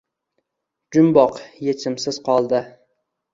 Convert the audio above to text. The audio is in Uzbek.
Jumboq echimsiz qoldi